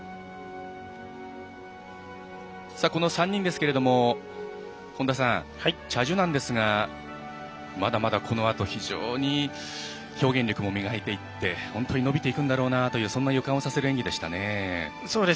この３人ですけれどもチャ・ジュナンですがまだまだ、このあと非常に表現力も磨いていって本当に伸びていくんだろうなというそんな予感をさせる演技でしたね。